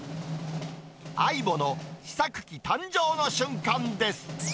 ＡＩＢＯの試作機誕生の瞬間